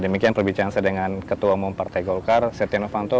demikian perbicaraan saya dengan ketua umum partai golkar setiano vanto